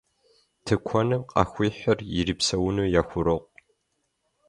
Тыкуэным къахуихьыр ирипсэуну яхурокъу.